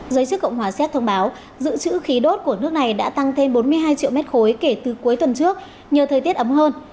giới chức cộng hòa xét thông báo dự trữ khí đốt của nước này đã tăng thêm bốn mươi hai triệu mét khối kể từ cuối tuần trước nhờ thời tiết ấm hơn